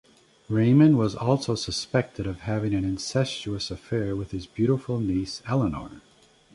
Raymond was also suspected of having an incestuous affair with his beautiful niece Eleanor.